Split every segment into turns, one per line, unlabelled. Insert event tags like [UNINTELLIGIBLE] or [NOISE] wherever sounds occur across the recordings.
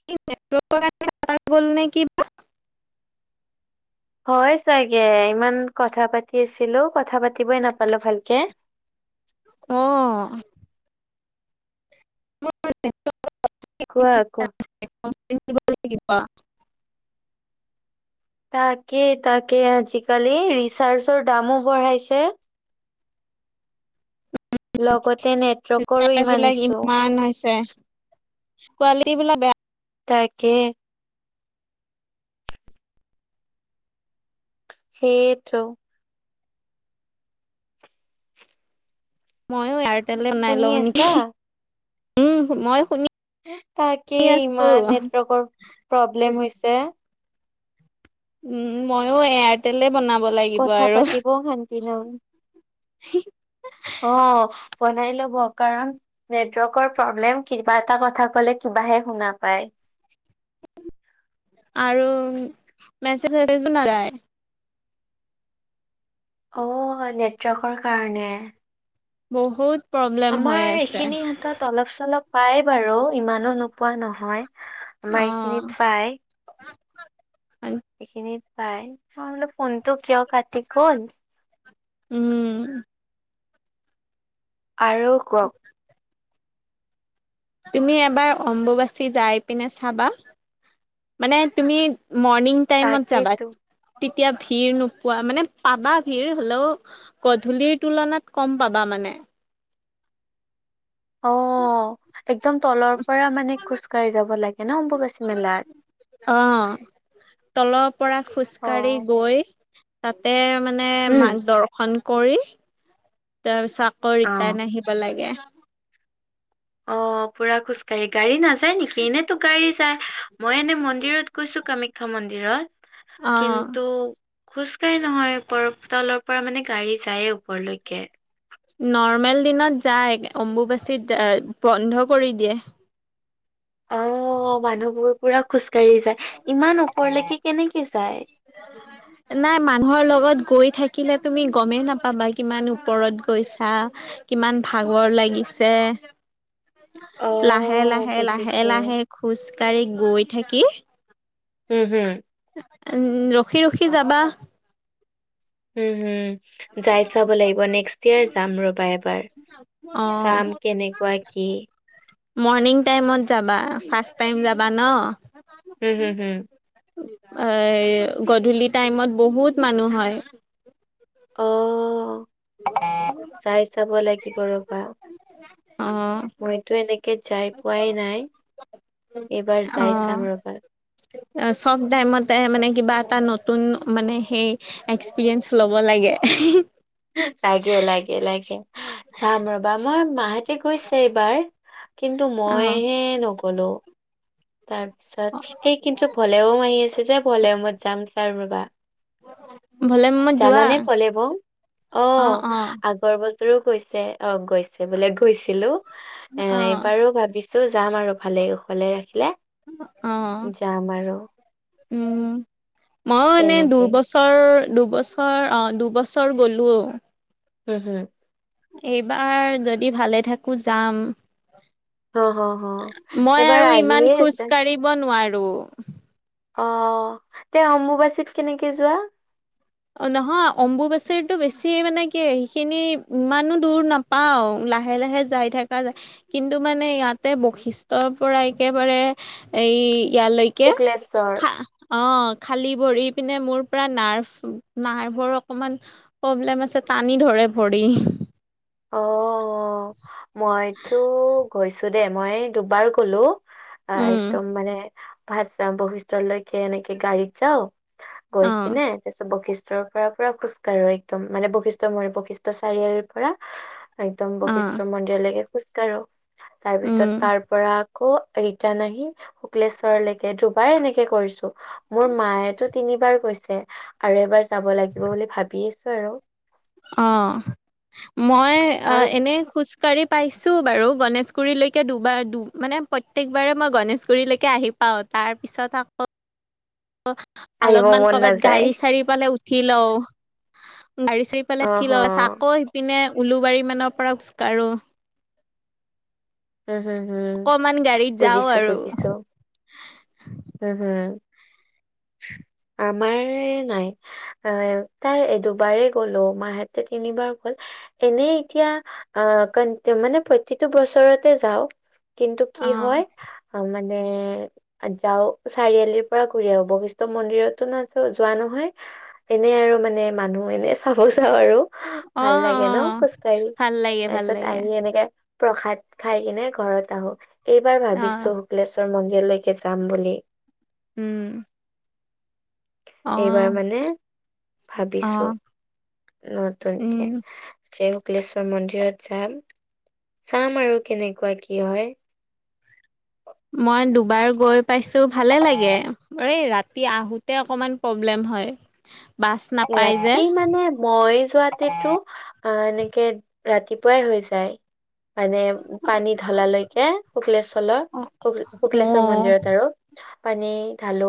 [UNINTELLIGIBLE]
হয় চাগে ইমান কথা পাতি আছিলো কথা পাতিবই নাপালো ভালকে।
অ অ অ অ
কোৱা আকৌ
এখন আমাকো দিব লাগিব।
তাকে তাকে আজিকালি ৰিচাৰ্জৰ দামো বঢ়াইছে। লগতে নেট।
ৰিচাৰ্জ বিলাক ইমান হৈছে কোৱালিটী বিলাক বেয়া।
তাইকে [UNINTELLIGIBLE] সেইটো
মইয়ো এয়াৰটেলে অনাই
শুনি
লওঁ নেকি
আছা
হাঁচি উম মই শুনি
তাকেই
আছো
ইমান নেটৱৰ্কৰ প্ৰব্লেম হৈছে।
উম উ মইয়ো এয়াৰটেলে বনাব লাগিব
কথা
আৰু অ হা
পাতিবও শান্তি নাই
হি হি
অ অ ইস্ বনাই ল'ব কাৰণ নেটৱৰ্কৰ প্ৰব্লেম কিবা এটা কথা কলে কিবাহে শুনা পাই সি
আৰু মেছেজ-ছেচেজও নযায়।
অঅঅ আৰ নেটৱৰ্কৰ কাৰণে।
বহুত। প্ৰব্লেম হৈ
আমাৰ
আছে
এইখিনি হাতত অলপ-চলপ পায় বাৰু ইমানো নোপোৱা নহয়। হা হা আমাৰ এইখিনিত পায়।
কাত কাত পাৰিম।
সেইখিনিত পাই আমি বোলে ফোনটো কিয় কাটি গল।
উম উ উ উ
আৰু কওক।
তুমি এবাৰ অম্বুবাচী যাই পিনে চাবা। মানে তুমি মৰ্ণিং টাইমত যাবা।
তাকেইতো
তেতিয়া ভিৰ নোপোৱা মানে পাবা ভিৰ হ'লেও অহ গধূলিৰ তুলনাত কম পাবা মানে।
অ অ অ একদম তলৰ পৰা মানে খোজকাঢ়ি যাব লাগে ন অম্বুবাচী মেলাত।
অঅঅ তলৰ পৰা
অ
খোজকাঢ়ি গৈ। তাতে মানে
উম
মাক দৰ্শন কৰি তাৰপিছত আকৌ
অ
ৰিটাৰ্ণ আহি আহিব লাগে।
অ অ অ পুৰা খোজকাঢ়ি গাড়ী নাযায়। নাযায় নেকি এনেতো গাড়ী যায় আ আহ্ মই এনে মন্দিৰত গৈছো কামাখ্যা মন্দিৰত। আহ
অ
আহ কিন্তু খোজকাঢ়ি নহয় ওপৰ তলৰ পৰা মানে গাড়ী যায়ে ওপৰলৈকে।
নৰ্মেল দিনত যায় অম্বুবাচিত যা ই ই বন্ধ কৰি দিয়ে।
অ অ অ অ অ মানুহবোৰ পুৰা খোজকাঢ়ি যায় ইমান ওপৰলৈকে কেনেকে যায়। [INAUDIBLE]
নাই মানুহৰ লগত গৈ থাকিলে তুমি গমেই নাপাবা কিমান ওপৰত গৈছা আহ্। ঠু কিমান ভাগৰ লাগিছে তোমাক হেৰিয়ে লাহে
অ',
লাহে লাহে
বুজিছো।
লাহে খোজকাঢ়ি গৈ থাকিম
উম হুম
উম ৰখি ৰখি যাবা।
উম হুম উচ্, যাই চাব লাগিব নেক্সট ইয়াৰ যাম ৰবা এবাৰ।
অ',
চাম কেনেকুৱা কি?
মৰ্ণিং টাইমত যাবা ফাষ্ট টাইম যাবা ন।
হুম, হুম, হুম।
এই গধূলি টাইমত বহুত মানুহ হয়
অ যায় চাব লাগিব ৰবা
অ',
মইতো এনেকে যাই পোৱাই নাই এইবাৰ যাই চাম ৰবা
অ চব টাইমতে মানে কিবা এটা নতুন মানে সেই এক্সপিৰিয়েন্ঞ্চ ল'ব লাগে
লাগে লাগে লাগে চাম ৰবা মই মাঁহতি গৈছে এইবাৰ- কিন্তু
অ',
মইহে নগলো। তাৰ পিছত এই কিন্তু ভলেৱম আহি আছে যে ভলেওমত যাম ছাও ৰবা
ভলে মত যোৱা
জানানে ভলেবম অ আ কৰ্বলতৰো গৈছে অ গৈছে বোলে গৈছিলো এ
অ',
এইবাৰো ভাব- কিছো যাম আৰু ভালে কুশলে ৰাখিলে।
অ
যাম আৰু।
উম মইয়ো এনেই
তেনেকে
দুইবছ বছৰ দুবছৰ অ দুবছৰ গ'লো।
উম হুম।
এইবাৰ যদি ভালে থাকো যাম।
হ হ হ
মই
এইবাৰ
আৰু
আহিয়ে
ইমান খোজ
আছে।
কাঢ়িব নোৱাৰো।
অ তে অম্বুবাচীত কেনেকে যোৱা?
অ নহয় অম্বুবাচৰীতো বেছি মানে কি সেইখিনি ইমানো দূৰ না পাও লাহে লাহে যাই থকা যায়। কিন্তু মানে ইয়াতে বৈশিষ্টৰ পৰা একেবাৰে এই ইয়ালৈ কে
শুক্লেশ্বৰ?
অ খালি ভৰি পিনে মোৰ পৰা নাৰ্ভ নাৰ্ভৰ অকমান প্ৰব্লেম আছে টানি ধৰে ভৰি।
অ মইতো গৈছো দেই মই দুবাৰ গলো। অ
উম
একদম মানে ভা বশিষ্টলৈকে এনেকে গাড়ীত যাও।
অ
গৈ কিনে তাৰপিছত বৈশিষ্টৰ ঘৰৰ পৰা খোজকাঢ়ো একদম মানে বৈশিষ্ট্য মানে বৈশিষ্ট্য চাৰিআলিৰ পৰা একদম
অ
বশিষ্ট মন্দিৰলৈকে খোজ কাঢ়ো তাৰ পিছত
উম
তাৰ পৰা আকৌ ৰিটাৰ্ণ আহি শুক্লেশ্বৰলৈকে দুবাৰ এনেকে কৰিছো। মোৰ মায়েতো তিনিবাৰ গৈছে আৰু এবাৰ যাব লাগিব বুলি ভাবি আছো আৰু।
অ মই অহ
আৰু
এনে খোজ গাড়ী পাইছো বাৰু গণেশগুৰিলৈকে দুবাৰ মানে প্ৰত্যেকবাৰে মই গণেশগুৰিলৈকে আহি পাও তাৰ পিছত আকৌ-
আহিব
অলপমান
মন
কৰ'বাত
নাযায়
গাড়ী চাৰি পালে উঠি লও গাড়ী চাড়ী ফালে
অ'
উঠি ল‌ও,
হ
আকৌ সিপিনে উলুবাৰী মানৰ পৰা খোজ কাঢ়ো।
উম হুম হম
অকমান গাড়ীত যাও
বুজিছো
আৰু
বুজিছো। হম হুম আমাৰ নাই। এ তাই দুবাৰেই গ'লো মাহেঁতে তিনিবাৰ গ'ল। এনেই এতিয়া আহ কন্তু মানে প্ৰতিটো বছৰত তে যাও কিন্তু কি
অ
হয় মানে যাও চাৰিআলিৰ পৰা ঘূৰি আহো বশিষ্ট মন্দিৰতো নাযাও যোৱা নহয় এনেই আৰু মানে মানুহ এনে চাব যাওঁ আৰু।
অ
ভাল
অ
লাগে ন খোজকাঢ়ি
ভাল লাগে ভাল
তাৰপিছত
লাগে
আহি এনেকে প্ৰসাদ খাই কিনে ঘৰত আহো, এইবাৰ
অ
ভাবিছো শুক্লেশ্বৰ মন্দিৰলৈকে যাম বুলি।
উম। অ
এইবাৰ মানে
অ
ভাবিছো।
উম
নতুনকে। জয় শুক্লেশ্বৰ মন্দিৰত যাম চাম আৰু কেনেকোৱা কি হয়?
মই দুবাৰ গৈ পাইছো ভালে লাগে এই ৰাতি আহোতে অকমান প্ৰব্লেম হয়। বাছ নাপাই যে
ৰাতি মানে মই যোৱাতেতো- অ এনেকে ৰাতিপুৱাই হৈ যায়। মানে পানী ঢলালৈকে শুকলেশ্বলৰ
অ
শু -
অ
শুকলেশ্বৰ মন্দিৰত আৰু। পানী ঢালো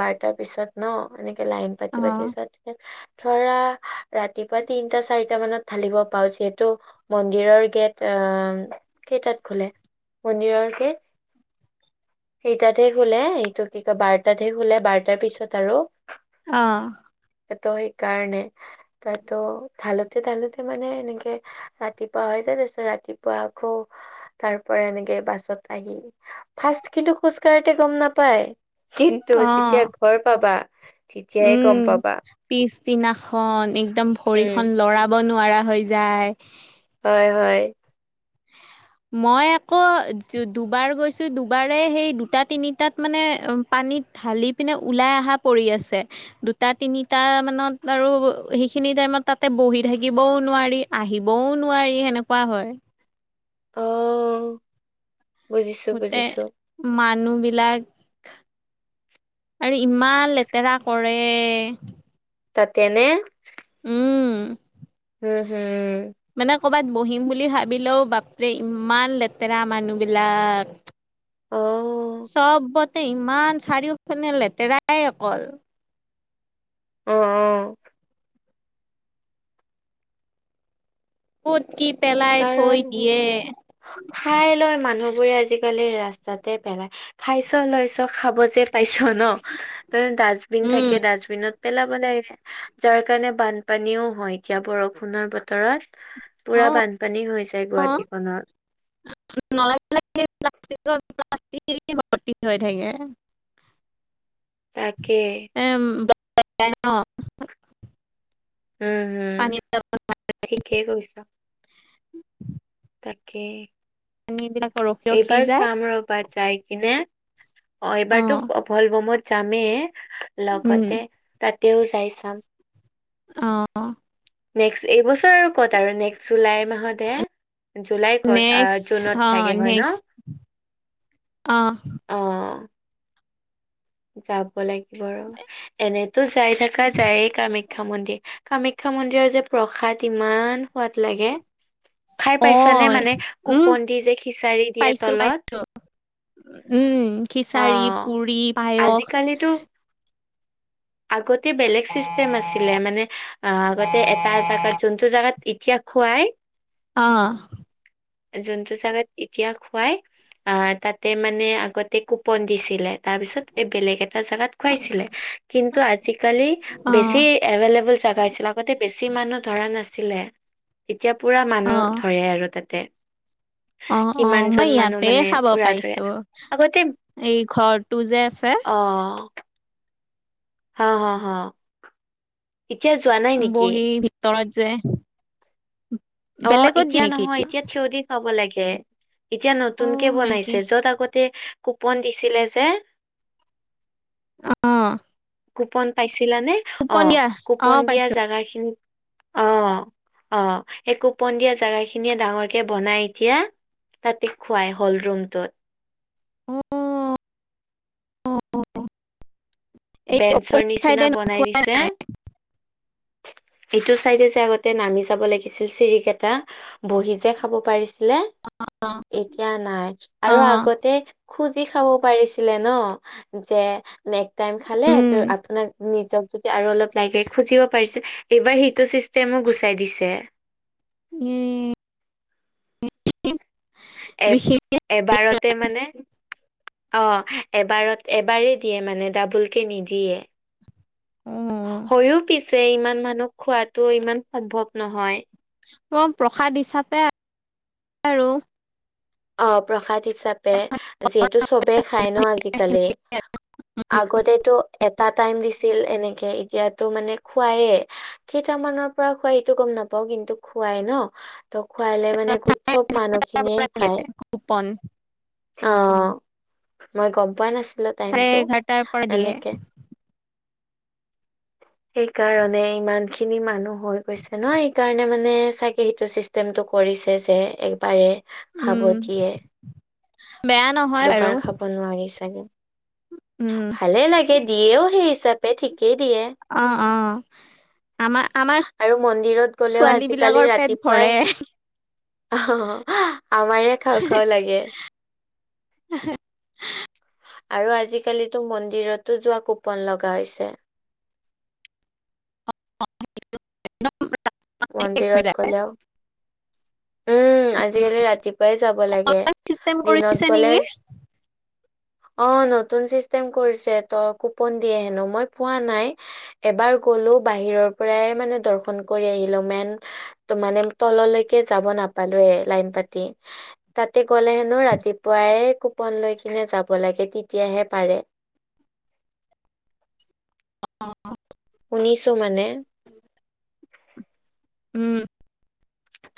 বাৰটাৰ পিছত ন এনেকে লাইন পাতি
অ
পাতি তাৰ পিছত ধৰা ৰাতিপুৱা তিনটা - চাৰিটা মানত ঢালিব পাও যিহেতু মন্দিৰৰ গেট আহ কেইটাত খোলে? মন্দিৰৰ গেট? সেইটাতহে খুলে এইটো কি কয় বাৰটাতহে খুলে বাৰটাৰ পিছত আৰু
অহ।
এতো সেইকাৰণে, তাতো ধালোতে - ধালোতে মানে এনেকে ৰাতিপুৱা হৈ যায় তাৰপিচত ৰাতিপুৱা আকৌ তাৰ পৰা এনেকে বাছত আহি ফাৰ্ষ্ট কিন্তু খোজ কাঢ়োতে গম নাপায়। কিন্তু
অ
যেতিয়া ঘৰ পাবা তেতিয়াহে
উম
গম পা
পিছদিনাখন একদম
উম
ভৰিখন লৰাব নোৱাৰা হৈ যায়।
হয় হয়।
মই আকৌ দু দুবাৰ গৈছোঁ দুবাৰেই সেই দুটা- তিনিটাত মানে পানীত ঢালি পিনে ওলাই আহা পৰি আছে। দুটা - তিনিটা মানত আৰু সেইখিনি টাইমত তাতে বহি থাকিবও নোৱাৰি। আহিবও নোৱাৰি সেনেকুৱা হয়।
অও।
গোটে মানুহবিলাক আৰু ইমান লেতেৰা কৰে।
তাতেনে?
উম
হুম হুম।
মানে কবাত বহিম বুলি ভাবিলেও বাপৰে ইমান লেতেৰা মানুহবিলাক?
অ
চবতে ইমান চাৰিওফিনে লেতেৰাই অকল।
অ অ।
কত কি পেলাই থৈ
কাৰণ
দিয়ে?
খাই লৈ মানুহবোৰে আজিকালি ৰাস্তাতে পেলায় খাইছ লৈছ খাব যে পাইছ ন, তাতে ডাষ্টবিন
উম,
থাকে ডাষ্টবিনত পেলাব লাগে যাৰ কাৰণে বানপানীও হয় এতিয়া বৰষুণৰ বতৰত। পুৰা
অ',
বানপানী হৈছে গুৱাহাটীখনত।
নলাই বিলাকে প্লাষ্টিক প্লাক [INAUDIBLE] বৰ্তি হৈ থাকে।
তাকে।
[INAUDIBLE]
উম হুম,
পানী
ঠিকেই কৈছা। তাকে।
আমি বিলাক কৰোঁ।
এইবাৰ চাম ৰবাত যাই কিনে, অ এইবাৰতো ভল বমত যামেই
উম,
লগতে তাতেও যাই চাম।
অ।
নেক্সট এইবছৰ আৰু ক'ত আৰু নেক্সট জুলাই মাহতহে। জুলাই কত আহ
নেক্সট
জুনত চাগে
অ',
হয় ন?
নেক্সট
অ। যাব লাগিব আৰু এনেতো যাই থকা যায়ে। কামাখ্যা মন্দিৰ কামাখ্যা মন্দিৰৰ যে প্ৰসাদ ইমান সোৱাদ লাগে। খাই পাইছানে
অ',
মানে
উম,
কুপন দি যে খিচাৰি দিয়ে
পাইছোঁ পাই
তলত।
উম
অ
খিচাৰি, পুৰি পায়স অ',
আজিকালিতো আগত তে বেলেগ চিষ্টেম আছিলে মানে আ আগতে এটা জাগাত যোনটো জাগাত এতিয়া খুৱাই,
অহ,
জোনটো জাগাত এতিয়া খুৱাই। আ তাতে মানে আগতে কুপন দিছিলে তাৰ পিছত, এই বেলেগ এটা জেগাত খুৱাইছিলে কিন্তু আজিকালি বেছি।
অ',
এভেলএবোল জাগাহৈছিল আগতে বেছি মানুহ ধৰা নাছিলে এতিয়া। পুৰা মানুহ
অ',
ধৰে আৰু তাতে।
অ অ
কিমান
মই
জন মানুহ
ইয়াতে
মানে
খাব
পুৰা ধৰে
পাৰিছো
আগতে
এই ঘৰটো যে আছে।
অ, হা হা হ, এতিয়া যোৱা ন
বহি ভিতৰত যে,
অ
বেলেগত দিয়ে
এতিয়া
নেকি
নহয় এতিয়া, থিয় দি খাব লাগে এতিয়া নতুন কে
অ', হয় নেকি?
বনাইছে য'ত আগতে। কুপন দিছিলে যে।
অ,
কুপন পাইছিলানে, অ
উপনিয়া অ
কুপন দিয়া
পাইছো
জোগাখিনিত। অহ অহ, সেই কুপন দিয়া জোগা খিনিয়ে ডাঙৰ কে বনাই এতিয়া তাতে খোৱাই হল ৰুমটোত।
অ এই
বেঞ্চৰ
অপজিত চাইডে
নিচিনা বনাই দিছে।
নাই
এইটো ছাইডে যে আগতে নামি যাব লাগিছিল চিৰিকেইটা। বহি যে খাব পাৰিছিলে এতিয়া নাই
অ
আৰু আগতে, খুজি খাব পাৰিছিলে ন যে টাইম খালে
উম
তোৰ আপোনাক নিজক য আৰু অলপ লাগে খুজিব পাৰিছিল এইবাৰ সেইটো চিষ্টেমো গুচাই দিছে।
উম,
এ
বিশেষকে,
এবাৰতে মানে। অ এবাৰত এবাৰেই দিয়ে মানে ডাবোল কে নিদিয়ে।
উম।
হৈয়ো পিছ তে ইমান মানুহ খোৱাতো ইমান সম্ভৱ নহয়।
অ প্ৰসাদ হিচাপে, আৰু
অ প্ৰসাদ হিচাপে যিহেতু চবে খাই ন আজিকালি, আগতেতো, এটা টাইম দিছিল এনেকে এতিয়াতো মানে খুৱায়ে। কেইটামানৰ পৰা খোৱাই এইটো গম নাপাও কিন্তু খোৱাই ন। ত খুৱালে মানে উৎসৱ মানুহখিনিয়ে
পৰা দিয়ে
খায়।
কুপন
অ মই গম পোৱা নাছিলো
চাৰে
টাইমতটো
এঘাৰটাৰ পৰা দিয়ে
এনেকে। সেইকাৰণে ইমান খিনি মানুহ, হৈ গৈছে ন সেইকাৰণে মানে চাগে সেইটো চিষ্টেমটো কৰিছে যে একবাৰে। খাব
উম
দিয়ে
বেয়াত,
দুবাৰ খাব নোৱাৰি চাগে।
উম,
ভালে লাগে, দিয়েও সেই হিচাপে, ঠিকেই দিয়ে।
অ-অ।
আৰু মন্দিৰত গলেও,
ছোৱালী
আজিকালি
বিলাকৰ পেট
ৰাতিপুৱাই
ভৰে
অ আমাৰে খাও খাও লাগে। আৰু আজিকালিতো মন্দিৰতো যোৱা কুপন লগা হৈছে।
শেষ হৈ
মন্দিৰত
যায়
গ'লে আও। উম, আজিকালি ৰাতিপুৱাই যাব লাগে
চিষ্টেম
দিনত
কৰিছে
গ'লে
নেকি
অ নতুন চিষ্টেম কৰিছে ত কুপন দিয়ে হেনো, মই পোৱা নাই। এবাৰ গলো বাহিৰৰ পৰাই মানে দৰ্শন কৰি আহিলো মেন ত মানে তললৈকে যাব নাপালোয়ে লাইন পাতি তাতে গ'লে হেনো ৰাতিপুৱাই কু- পন লৈ কিনে যাব লাগে তেতিয়াহে পাৰে।
অহ
শুনিছোঁ মানে।
উম'।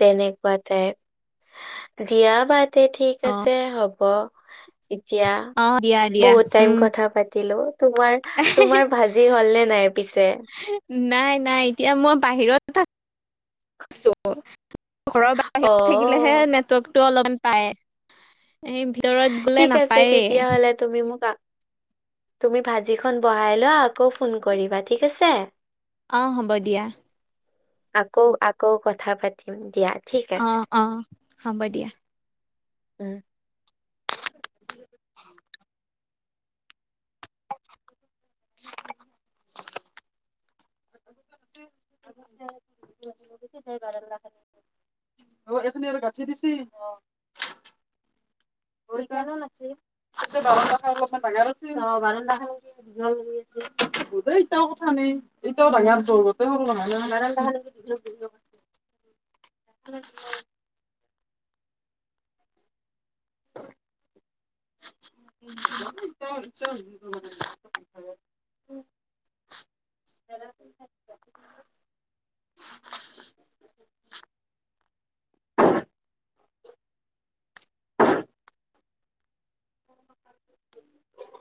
তেনেকুৱাতে, দিয়া বা তে, ঠিক
অ
আছে, হ'ব এতিয়া,
অ দিয়া দিয়া
বহুত টাইম
উম
কথা পাতিলো। তোমাৰ তোমাৰ ভাজি, হ'ল নে নাই পিছে?
নাই-নাই, এতিয়া মই বাহিৰত আ ছো, ঘৰৰ বাহিৰত
অ
বাহিৰত থাকিলেহে নেটৱৰ্কটো অলপমান পায়। এই ভিতৰত গলে
ঠিক আছে
নাপায়েই
তেতিয়া হ'লে, তুমি মোক, তুমি ভাজিখন বঢ়াই লোৱা। আকৌ ফোন কৰিবা, ঠিক আছে?
অ হ'ব দিয়া
আকৌ-আকৌ, কথা পাতিম দিয়া। ঠিক আছে
অ-অ, হ'ব দিয়া।
উম'।
সেই বাৰান্দাত [UNINTELLIGIBLE] অ, এইখিনি আৰু গাঁঠি দিছি। সেইকাৰনে লাগচিল, আগতে বাৰাণ্ডাখান অলপ ডাঙাৰ আছিল। অ বাৰান্দাখান আছিল। অই, তাৰ কথা শুনে, এতিয়াও ডাঙৰ টো গোটাই সৰু হনাই, বাৰাণ্ডাখান [UNINTELLIGIBLE] [UNINTELLIGIBLE]
অ [INAUDIBLE]
[UNINTELLIGIBLE] [UNINTELLIGIBLE]